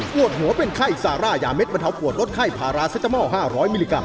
ปวดหัวเป็นไข้ซาร่ายาเด็ดบรรเทาปวดลดไข้พาราเซตามอล๕๐๐มิลลิกรั